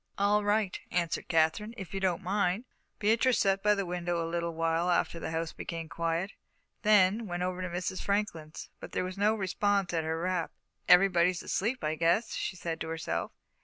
"All right," answered Katherine, "if you don't mind." Beatrice sat by the window a little while after the house became quiet, then went over to Mrs. Franklin's, but there was no response to her rap. "Everybody's asleep, I guess," she said to herself.